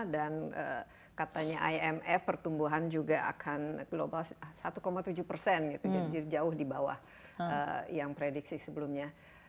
dan katanya imf pertumbuhan juga akan global satu tujuh gitu jadi jauh di bawah yang prediksi sebelumnya